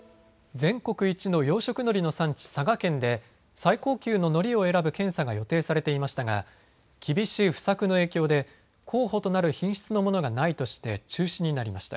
全国一の養殖のりの産地、佐賀県で最高級ののりを選ぶ検査が予定されていましたが厳しい不作の影響で候補となる品質のものがないとして中止になりました。